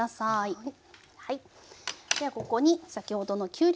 はい。